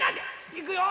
いくよ！